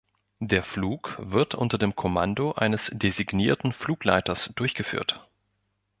Der Flug wird unter dem Kommando eines designierten Flugleiters durchgeführt.